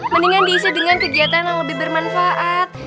mendingan diisi dengan kegiatan yang lebih bermanfaat